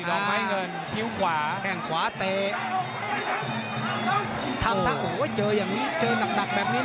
ลองให้เงินทิ้งขวาแข่งขวาเตะโอ้โหเจออย่างนี้เจอนักหนักแบบนี้